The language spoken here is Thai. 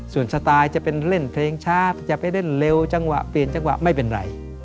ส่วนสไตล์จะเป็นเล่นเพลงช้าจะไปเล่นเร็วจังหวะเปลี่ยนจังหวะไม่เป็นไร